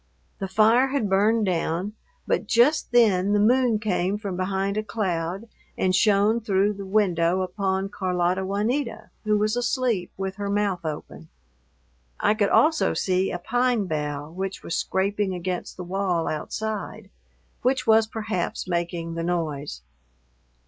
The fire had burned down, but just then the moon came from behind a cloud and shone through the window upon Carlota Juanita, who was asleep with her mouth open. I could also see a pine bough which was scraping against the wall outside, which was perhaps making the noise.